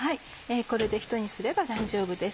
これでひと煮すれば大丈夫です。